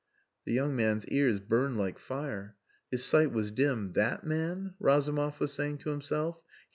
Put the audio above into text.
The young man's ears burned like fire; his sight was dim. "That man!" Razumov was saying to himself.